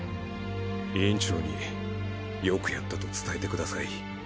委員長によくやったと伝えてください。